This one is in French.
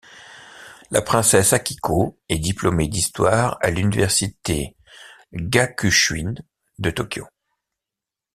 La princesse Akiko est diplômée d'histoire à l'université Gakushūin de Tokyo.